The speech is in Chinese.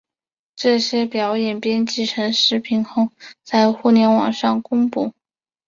这些表演编辑成视频后在互联网上公布。